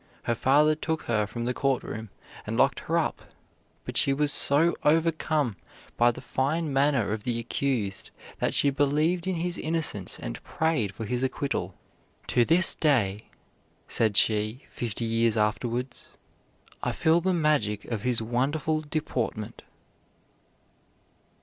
Her father took her from the courtroom, and locked her up, but she was so overcome by the fine manner of the accused that she believed in his innocence and prayed for his acquittal. "To this day," said she fifty years afterwards, "I feel the magic of his wonderful deportment."